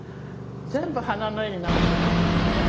全部花の絵になってるの。